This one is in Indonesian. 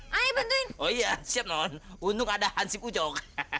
hai ayo bantuin oh iya siap non untuk ada hansi kucok